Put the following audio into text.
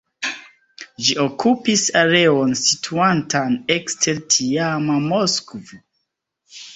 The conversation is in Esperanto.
Ĝi okupis areon situantan ekster tiama Moskvo.